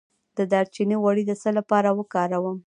د دارچینی غوړي د څه لپاره وکاروم؟